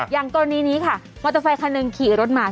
อย่างกรณีนี้ค่ะมอเตอร์ไซคันหนึ่งขี่รถมา